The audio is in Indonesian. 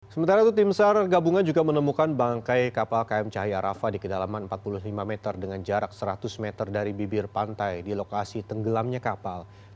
sementara itu tim sar gabungan juga menemukan bangkai kapal km cahaya rafa di kedalaman empat puluh lima meter dengan jarak seratus meter dari bibir pantai di lokasi tenggelamnya kapal